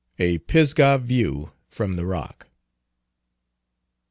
A PISGAH VIEW FROM THE ROCK.